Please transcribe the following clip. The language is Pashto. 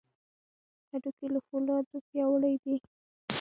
هډوکي له فولادو پیاوړي دي.